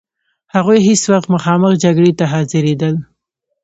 هغوی هیڅ وخت مخامخ جګړې ته حاضرېدل.